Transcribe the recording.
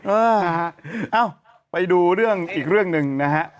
เออนะฮะเอ้าไปดูเรื่องอีกเรื่องหนึ่งนะฮะ